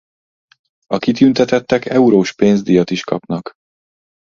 A kitüntetettek eurós pénzdíjat is kapnak.